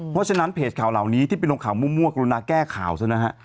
เพราะฉะนั้นเพจข่าวเหล่านี้ที่ไปลงข่าวมั่วกรุณาแก้ข่าวซะนะฮะ